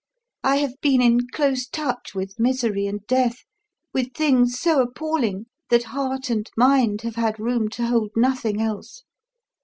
I have been in close touch with misery and death, with things so appalling that heart and mind have had room to hold nothing else.